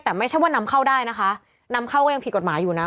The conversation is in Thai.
แต่ไม่ใช่ว่านำเข้าได้นะคะนำเข้าก็ยังผิดกฎหมายอยู่นะ